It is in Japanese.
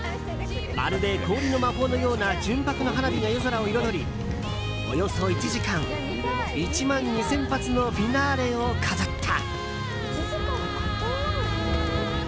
まるで氷の魔法のような純白の花火が夜空を彩りおよそ１時間、１万２０００発のフィナーレを飾った。